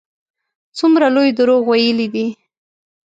څومره لوی دروغ ویلي دي.